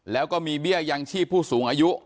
แล้วก็มีเบี้ยยังชีพผู้สูงอายุ